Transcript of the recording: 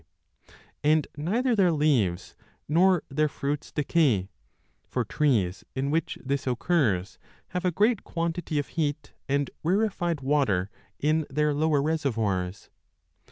9 829* blue grey, and neither their leaves nor their fruits decay ; for trees in which this occurs have a great quantity of heat and rarefied water in their lower reservoirs.